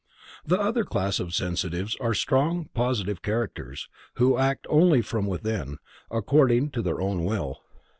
The other class of sensitives are strong positive characters, who act only from within, according to their own will.